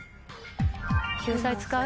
救済使う？